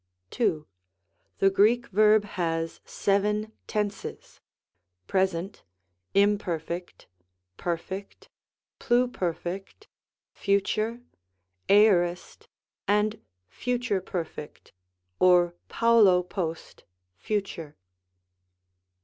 2. The Greek verb has seven tenses : Present, Im perfect, Perfect, Pluperfect, Future, Aorist, and Future perfect, or Paulo post Future.